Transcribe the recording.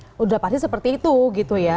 sudah pasti seperti itu gitu ya